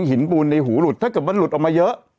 ปูนในหูหลุดถ้าเกิดมันหลุดออกมาเยอะ